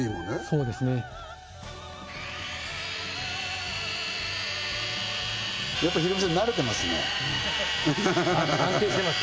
そうですねやっぱヒロミさん慣れてますね安定してます